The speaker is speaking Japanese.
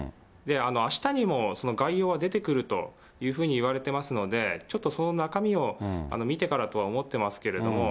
あしたにもその概要は出てくるというふうにいわれてますので、ちょっとその中身を見てからとは思ってますけれども。